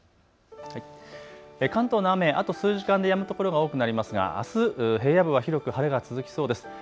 関東の雨、あと数時間でやむ所が多くなりますがあす平野部は広く晴れが続きそうです。